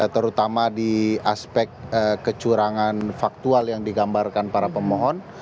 terutama di aspek kecurangan faktual yang digambarkan para pemohon